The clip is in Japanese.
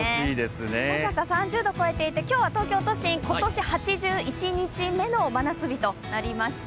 赤坂、３０度を超えていて今日は東京都心、今年８１日目の真夏日となりました。